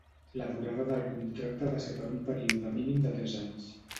La durada del contracte ha de ser per un període mínim de tres anys.